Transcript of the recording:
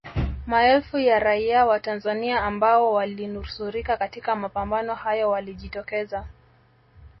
Maelfu ya raia wa Tanzania ambao walinusurika katika mapambano hayo walijitokeza